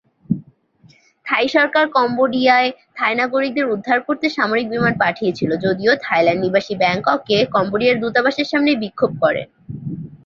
থাই সরকার কম্বোডিয়ায় থাই নাগরিকদের উদ্ধার করতে সামরিক বিমান পাঠিয়েছিল যদিও, থাইল্যান্ড নিবাসী ব্যাংককে কম্বোডিয়ার দূতাবাসের সামনে বিক্ষোভ করেন।